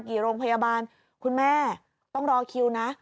กี่โรงพยาบาลคุณแม่ต้องรอคิวนะ